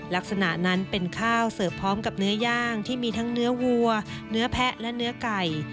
ลักษณะนั้นเป็นข้าวเสิร์ฟพร้อมกับเนื้อย่างที่มีทั้งเนื้อวัวเนื้อแพะและเนื้อไก่